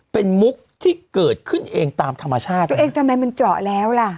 เป็นมุกที่เกิดขึ้นเองตามธรรมชาติตัวเองทำไมมันเจาะแล้วล่ะ